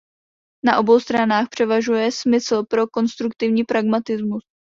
Na obou stranách převažuje smysl pro konstruktivní pragmatismus.